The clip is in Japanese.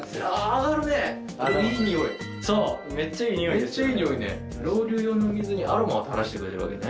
上がるねいい匂いめっちゃいい匂いねロウリュ用の水にアロマをたらしてくれてるわけね